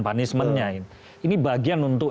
punishment nya ini bagian untuk